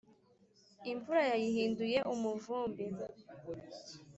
imvura yayihinduye umuvumbi